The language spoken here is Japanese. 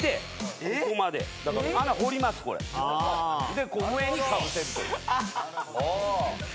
で上にかぶせると。